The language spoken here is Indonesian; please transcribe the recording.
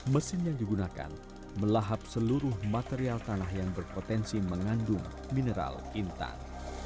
mesin yang digunakan melahap seluruh material tanah yang berpotensi mengandung mineral intan